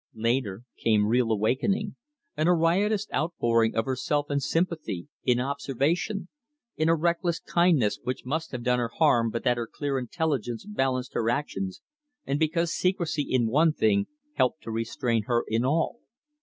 Later came real awakening, and a riotous outpouring of herself in sympathy, in observation, in a reckless kindness which must have done her harm but that her clear intelligence balanced her actions, and because secrecy in one thing helped to restrain her in all.